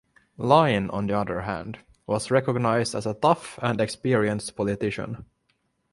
Lyne, on the other hand, was recognised as a tough and experienced politician.